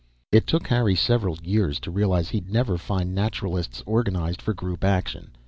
It took Harry several years to realize he'd never find Naturalists organized for group action.